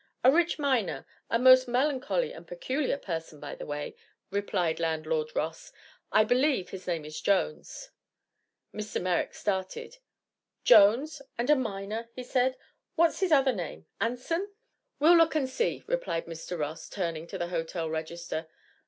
"A rich miner; a most melancholy and peculiar person, by the way," replied landlord Ross. "I believe his name is Jones." Mr. Merrick started. "Jones, and a miner?" he said. "What's his other name Anson?" "We'll look and see," replied Mr. Ross, turning to the hotel register.